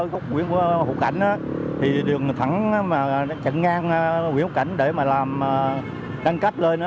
của huyện hồ cảnh thì đường thẳng mà chận ngang huyện hồ cảnh để mà làm đăng cách lên